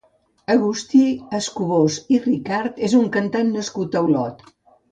Agustí Escubós i Ricart és un cantant nascut a Olot.